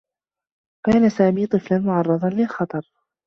كان سامي طفلا معرّضا للخطر.